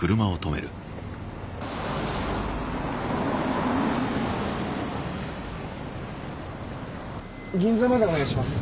おっ銀座までお願いします